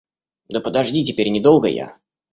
Да подожди, теперь не долго я...